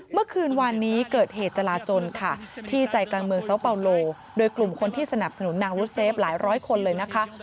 เมื่อคืนวานนี้เกิดเหตุจราจนค่ะที่ใจกลางเมืองซาวเปาโลโดยกลุ่มคนที่สนับสนุนนางวุเซฟหลายร้อยคนเลยนะคะ